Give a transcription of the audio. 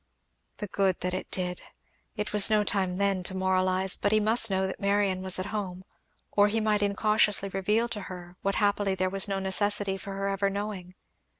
"The good that it did"! It was no time then to moralize, but he must know that Marion was at home, or he might incautiously reveal to her what happily there was no necessity for her ever knowing.